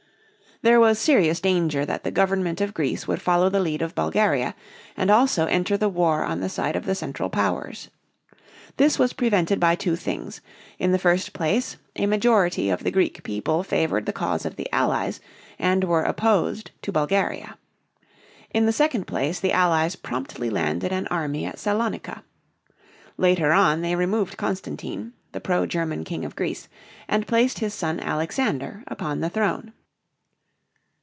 There was serious danger that the government of Greece would follow the lead of Bulgaria and also enter the war on the side of the Central Powers. This was prevented by two things. In the first place, a majority of the Greek people favored the cause of the Allies and were opposed to Bulgaria. In the second place, the Allies promptly landed an army at Salonica. Later on, they removed Constantine, the pro German king of Greece, and placed his son Alexander upon the throne.